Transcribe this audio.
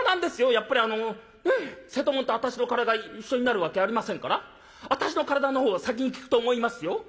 やっぱりあのええ瀬戸物と私の体一緒になるわけありませんから私の体のほうを先に聞くと思いますよ」。